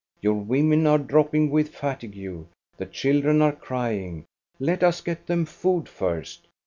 Your women are dropping with fatigue; the children are crying. Let us get them food first!